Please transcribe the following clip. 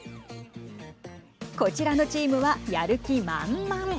こちらのチームは、やる気満々。